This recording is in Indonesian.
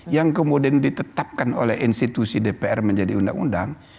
yang kemudian ditetapkan oleh institusi dpr menjadi undang undang